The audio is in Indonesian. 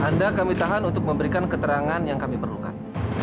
anda kami tahan untuk memberikan keterangan yang kami perlukan